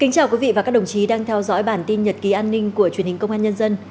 chào mừng quý vị đến với bản tin nhật ký an ninh của truyền hình công an nhân dân